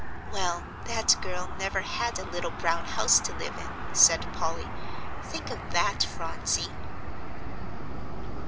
"Well, that girl never had a little brown house to live in," said Polly; "think of that, Phronsie."